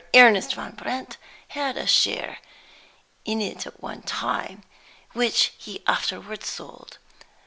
Ernest Van Brandt had a share in it at one time, which he afterward sold.